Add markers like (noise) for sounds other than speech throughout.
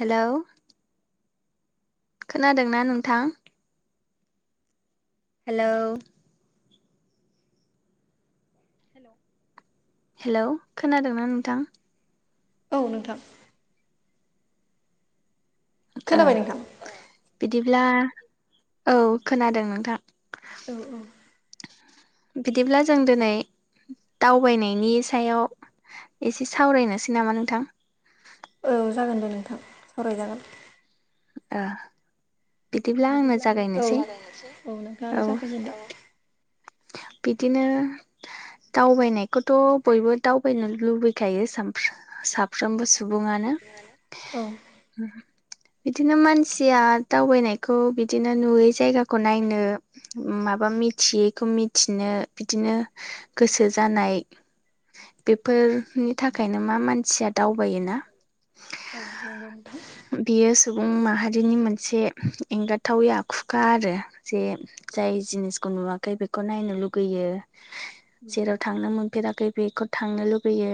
Hello खोनादोंना नोंथां? Hello hello hello खोनादोंना नोंथां? औ नोंथां। खोनाबाय एह, नोंथां बिदिब्ला औ खोनादों नोंथां। औ औ। बिदिब्ला जों दोनै दावबायनायनि सायाव एसे सावरायनोसै नामा नोंथां? औ जागोन दे नोंथां सावरायजागोन। ओ आंनो बिदिब्ला नोंथां आंनो जागायनोसै जागायनोसै, औ औ नोंथाङानो जागायग्रोदो औ। बिदिनो दावबायनायखौथ' बयबो दावबायनो लुबैखायो सानफ्रो साफ्रोमबो सुबुङानो। औ। (unintelligible) बिदिनो मानसिया दावबायनायखौ बिदिनो नुयै जायगाखौ नायनो माबा मिथियैखौ मिथिनो बिदिनो गोसो जानाय बेफोर नि थाखायनो मा मानसिया दावबायोना औ नोंगौ नोंथां। बियो सुबुं माहारिनि मोनसे एंगारथावै आखुखा आरो जे जाय जिनिसखौ नुवाखै बेखौ नायनो लुगैयो। जेराव थांनो मोनफेराखै बेखौ थांनो लुबैयो।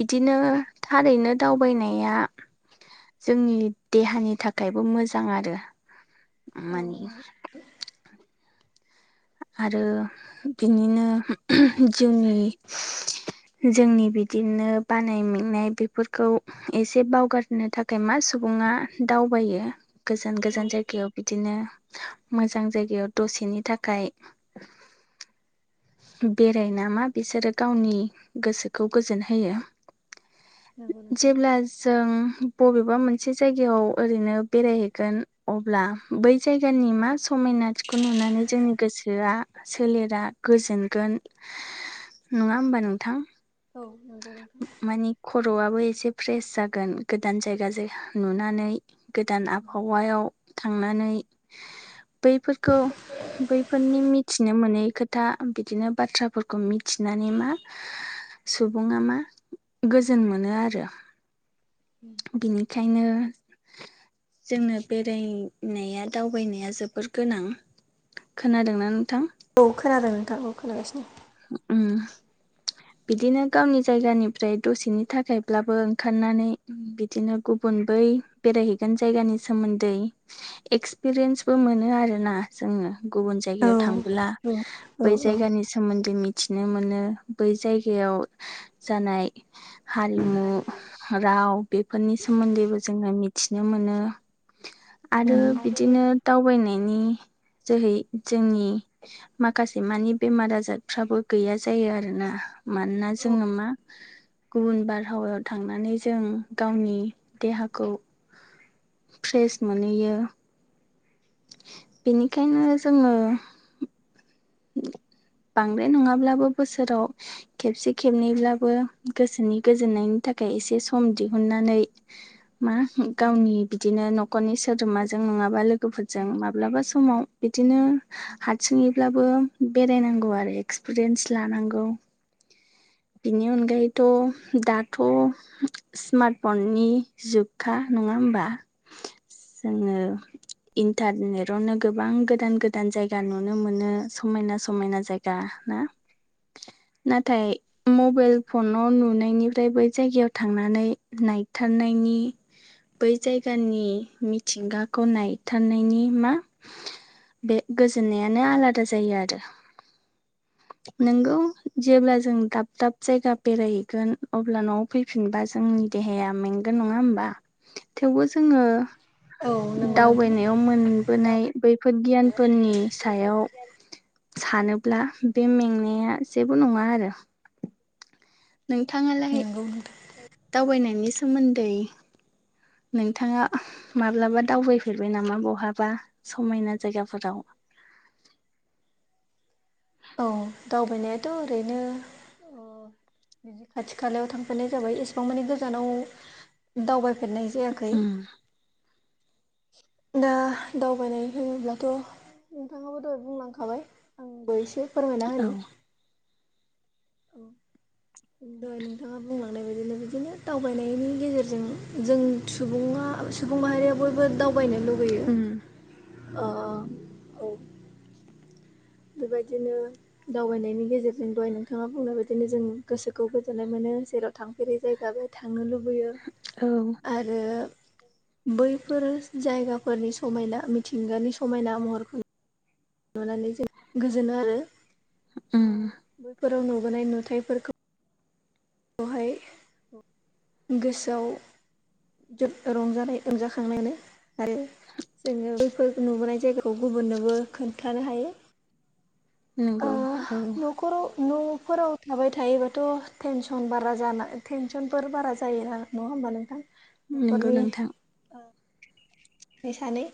बिदिनो थारैनो दावबायनाया जोंनि देहानि थाखायबो मोजां आरो औ मानि (inaudible) आरो बिनिनो जोंनि जोंनि बिदिनो बानाय मेंनाय बेफोरखौ एसे बावगारनो थाखाय मा सुबुङा दावबायो। गोजान गोजान औ जायगायाव बिदिनो मोजां जायगायाव दसेनि थाखाय बेरायना मा बिसोरो गावनि गोसोखौ गोजोन होयो। नंगौ नोंथां जेब्ला जों बबेबा मोनसे जायगायाव ओरैनो बेरायहैगोन अब्ला बै जायगानि मा समायनाथिखौ नुनानै जोंनि (unintelligible) सोलेरा गोजोनगोन नङा होमबा नोंथां? औ नंगौ नोंथां। माने खर'आबो एसे फ्रेस जागोन गोदान जायगा जाय नुनानै। गोदान आबहावायाव थांनानै बैफोरखौ बैफोरनि मिथिनो मोनै खोथा बिदिनो बाथ्राफोरखौ मिथिनानै मा सुबुङा मा गोजोन मोनो आरो (inaudible) बिनिखायनो जोंनो बेरायनाया दावबायनाया जोबोर गोनां। खोनादोंना नोंथां औ खोनादों नोंथां औ खोनागासिनो उम। बिदिनो गावनि जायगानिफ्राय दसेनि थाखायब्लाबो ओंखारनानै बिदिनो गुबुन बै बेरायहैगोन जायगानि सोमोन्दै एक्सपिरियेन्सबो मोनो आरोना जोङो। गुबुन औ जायगायाव थांबोला औ औ बै औ जायगानि सोमोन्दै मिथिनो मोनो बै जायगायाव जानाय हारिमु राव बेफोरनि सोमोन्दैबो जोङो मिथिनो मोनो आरो बिदिनो दावबायनायनि जोहै जोंनि माखासे मानि बेमार आजार फ्राबो गैया जायो आरोना मानोना जोंङो मा गुबुन बारहावायाव थांनानै जों गावनि देहाखौ फ्रेस मोनहैयो। बेनिखायनो जोङो बांद्राय नङाब्लाबो बोसोराव खेबसे खेबनैब्लाबो गोसोनि गोजोननायनि थाखाय एसे सम दिहुननानै मा गावनि बिदिनो न'खरनि सोद्रोमाजों नङाबा लोगोफोरजों माब्लाबा समाव बिदिनो हारसिङैब्लाबो बेरायनांगौ आरो एक्सपिरियेन्स लानांगौ बिनि अनगायैथ' दाथ' स्मार्टफननि जुगखा नङा होमबा जोंङो इन्टारनेटावनो गोबां गोदान गोदान जायगा नुनो मोनो समायना समायना जायगा ना? नाथाय मबाइल फनाव नुनायनिफ्राय बै जायगायाव थांनानै नायथारनायनि बै जायगानि मिथिंगाखौ नायथारनायनि मा बे गोजोननायानो आलादा जायो आरो। नोंगौ जेब्ला जों दाब दाब जायगा बेरायहैगोन अब्ला न'आव फैफिनबा जोंनि देहाया मेंगोन नङा होमबा थेवबो जोंङो औ नंगौ नोंथां दावबायनायाव मोनबोनाय बैफोर गियानफोरनि सायाव सानोब्ला बे मेंनाया जेबो नङा आरो। नोंथाङालाय नंगौ नोंथां दावबायनायनि सोमोन्दै नोंथाङा माब्लाबा दावबायफेरबाय नामा बहाबा समायना जायगाफोराव? औ दावबायनायाथ' ओरैनो बिदि खाथि खालायाव थांफेरनाय जाबाय एसेबां मानि गोजानाव दावबायफेरनाय जायाखै उम दा दावबायनाय होनोब्लाथ' नोंथाङाबो दहाय बुंलांखाबाय आंबो एसे फोरमायना औ होनि औ दहाय नोंथाङा बुंलांनाय बायदिनो बिदिनो दावबायनायनि गेजेरजों जों सुबुङा सुबुं माहारिया बयबो दावबायनो लुगैयो उम अ बेबायदिनो दावबायनायनि गेजेरजों दहाय नोंथाङा बुंनाय बायदिनो जों गोसोखौ गोजोननाय मोनो जेराव थांफेरै जायगा बेयाव थांनो लुबैयो औ। आरो बैफोर जायगाफोरनि समायना, मिथिंगानि समायना महरखौ नुनानै जों गोजोनो आरो। ओ उम। बैफोराव नुबोनाय नुथायफोरखौ खौहाय। गोसोआव जोब रंजानाय रंजाखांनायानो आरो। जोङो बैफोर नुबोनाय जायगाखौ गुबुननोबो खोन्थानो हायो। ओ नंगौ औ न'खराव न'फोराव थाबाय थायोबाथ' टेनसन बारा जाना टेनसनफोर बारा जायो नङा होमबा नोंथां? नंगौ न'खरनि नोंथां फैसानि।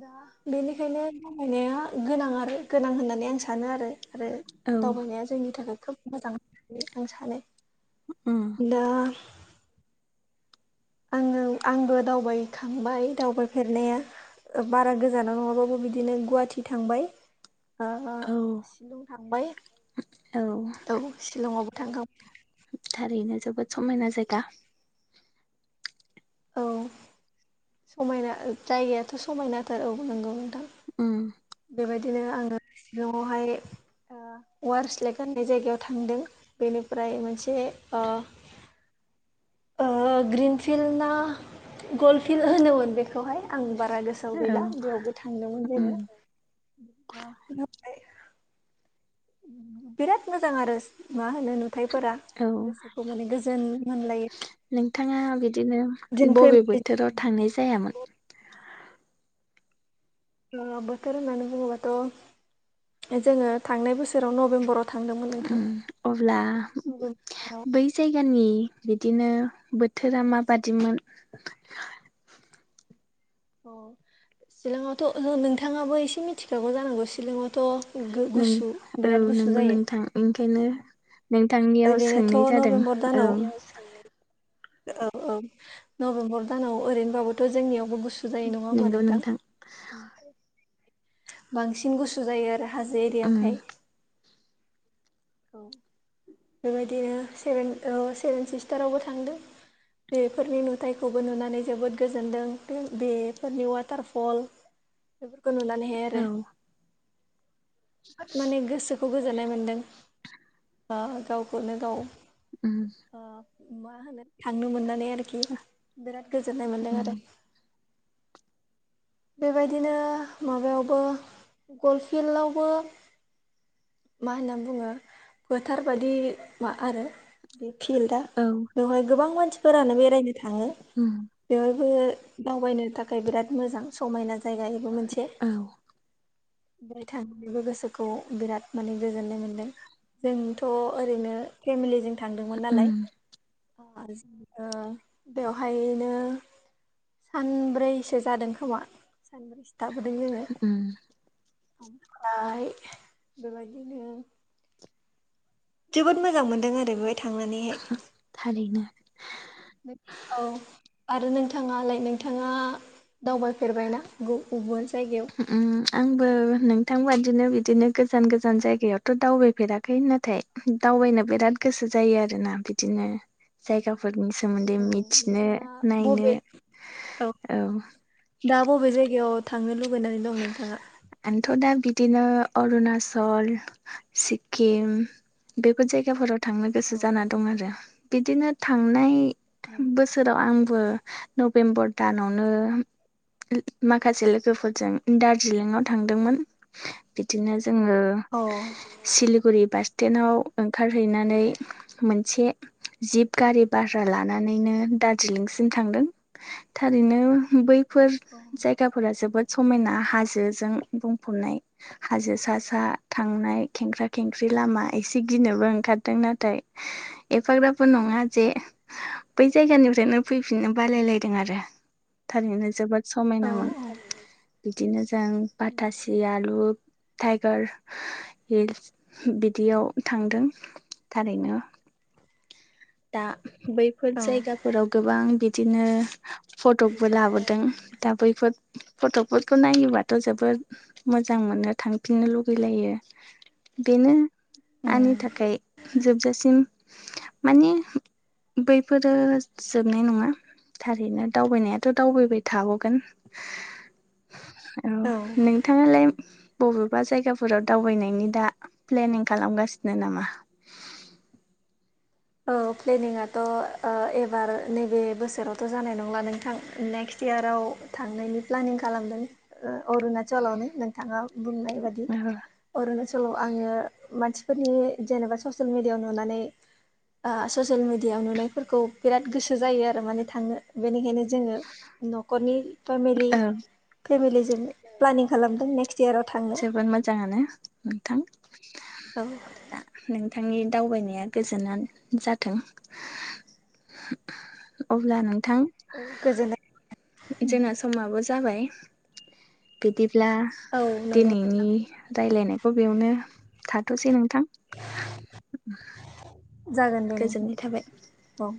दा बेनिखायनो खामायनाया गोनां आरो गोनां होननानै आं आं सानो आरो आरो औ दावबायनाया जोंनि थाखाय खोब मोजां होननानै आं सानो। उम। दा आङो आंबो दावबायखांबाय दावबायफेरनाया। बारा गोजानाव नङाबाबो बिदिनो गुवाहाटि थांबाय। आ औ शिलं थांबाय। औ। औ शिलङावबो थांखां (inaudible) थारैनो जोबोद समायना जायगा। औ समायना जायगायाथ' समायनाथार औ नंगौ नोंथां। उम। बेबायदिनो आङो शिलंआवहाय वार्स लेग होननाय जायगायाव थांदों बेनिफ्राय मोनसे ओ ओ ग्रिन फिल्ड ना गल्ड फिल्ड होनोमोन बेखौहाय आं बारा गोसो आव औ गैला बेयावबो थांदोंमोन उम जोङो। बिराद मोजां आरो मा होनो नुथायाइफोरा। औ नोंथाङा बिदिनो जों बबे फेमिलि बोथोराव थांनाय जायामोन? बोथोर होननानै बुङोबाथ' जोङो थांनाय बोसोराव नभेम्बराव थांदोंमोन उम नोंथां अब्ला बै नभेम्बर दानाव बे जायगानि बिदिनो बोथोरा माबादिमोन? अ सिलंआवथ' नोंथाङाबो एसे मिथिखागौ जानांगौ सिलंआवथ' गो नों गुसु औ बिराद गुसु नंगौ जायो। नोंथां ओंखायनो नोंथांनियाव सोंनाय ओरैनोथ' जादों नभेम्बर औ दानाव औ औ नभेम्बर दानाव ओरैनोबाबोथ' जोंनियावबो गुसु जायो नङा होमबा नोंथां? ओं बांसिन गुसु जायो आरो हाजो उम एरियाखाय। औ। बेबायदिनो सेभेन सेभेन सिस्टारावबो थांदों। बेफोरनि नुथायखौबो नुनानै जोबोद गोजोनदों। बे-बेफोरनि वाटारफल (inaudible) बेफोरखौ नुनानैहाय औ आरो माने गोसोखौ गोजोननाय मोनदों। गावखौनो गाव। उम आ मा होनो थांनो मोननानै आरो खि बिराद गोजोननाय मोनदों उम आरो। बेबायदिनो माबायावबो गल्फ फिल्डआवबो मा होननानै बुङो फोथार बायदि मा आरो बे फिल्डा औ बेवहाय गोबां मानसिफोरानो बेरायनो थांबाय उम बेबो दावबायनो थाखाय बिराद मोजां समायना जायगायबो मोनसे औ ओफ्राय थांनानैबो गोसोखौ बिराद माने गोजोननाय मोनदों जोंथ' ओरैनो फेमिलिजों थांदोंमोन नालाय उम बेवहायनो सानब्रैसो जादों खोमा सानब्रैसो थाबोदों जोंयो उम ओमफ्राय बेबायदिनो जोबोद मोजां मोनदों आरो बेवहाय थांनानैहाय थारैनो औ आरो नोंथाङालाय नोंथाङा दावबायफेरबायना ओबावबा जायगायाव उम आंबो नोंथां बादिनो बिदिनो गोजान गोजान जायगायावथ' दावबायफेराखै नाथाय दावबायनो बिराद गोसो जायो आरोना बिदिनो जायगाफोरनि सोमोन्दै औ मिथिनो नोंथाङा नायनो बबे औ दा बबे जायगायाव थांनो लुुबैनानै दं नोंथाङा आंथ' दा बिदिनो अरुणाचल सिक्किम बेफोर जायगा फोराव थांनो गोसो औ जाना दं आरो बिदिनो थांनाय नों बोसोर सोराव आंबो नबेम्बर दानावनो माखासे लोगोफोरजों दार्जिलिंआव थांदोंमोन बिदिनो जोङो औ सिलिगुरि बास स्टेन्डाव ओंखारहैनानै मोनसे जिब गारि भारा लानानैनो दार्जिलिंसिम थांदों थारैनो बैफोर जायगाफोरा जोबोद समायना हाजोजों बुंफबनाय हाजो सा सा थांनाय खेंख्रा खेंख्रि लामा एसे गिनोबो ओंखारदों नाथाय एफाग्राबो नङा जे बै जायगानिफ्रायनो फैफिननो बालायलायदों आरो थारैनो जोबोद समायनामोन बिदिनो जों मिथिगौ बाथासिया लु टाइगार हिलस बिदियाव थांदों थारैनो दा बैफोर जायगाफोराव गोबां बिदिनो फटकबो लाबोदों दा बैफोर फटकफोरखौ नायोबाथ' जोबोद मोजां मोननो थांफिननो लुगैलायो बेनो आंनि थाखाय जोबजासिम माने बैफोरो जोबनाय नङा थारैनो दावबायनायाथ' दावबायबाय थाबावगोन औ नोंथां नोंहालाय बबेबा जायगाफोराव दावबायनायनि दा प्लेनिं खालामगासिनो नामा औ प्लेनिंथ' एबार नैबे बोसोरावथ' जानाय नंला नोंथां नेक्स्ट इयाराव थांनायनि प्लेनिं खालामदों अरुणाचलावनो नोंथाङा बुंनाय बादि अरुणाचलाव आङो मानसिफोरनि जेनेबा ससियेल मिडियाआव नुनानै ससियेल मिडियाायाव नुनायफोरखौ बिराद गोसो जायो आरो माने थांनो बेनिखायनो जोङो न'खरनि फेमिलि औ फेमिलिजों प्लेनिं खालामदों नेक्स्ट इयाराव थां जोबोद मोजाङानो नोंथां औ दा नोंथांनि दावबायनाया गोजोनानो जाथों अब्ला नोंथां गोजोननाय जोंना समाबो जाबाय बिदिब्ला औ नंगौ दिनैनि रायलायनायखौ बेयावनो थाथ'सै नोंथां जागोन दे नोंथां गोजोननाय थाबाय। औ